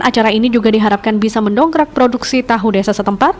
acara ini juga diharapkan bisa mendongkrak produksi tahu desa setempat